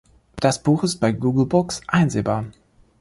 Das Buch ist bei Google Books einsehbar.